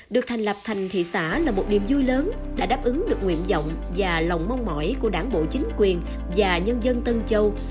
được thành lập thành thị xã là một niềm vui lớn đã đáp ứng được nguyện vọng và lòng mong mỏi của đảng bộ chính quyền và nhân dân tân châu